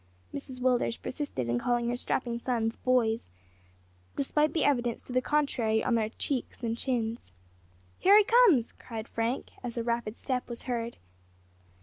Mrs Willders persisted in calling her strapping sons "boys," despite the evidence to the contrary on their cheeks and chins. "Here he comes!" cried Frank, as a rapid step was heard.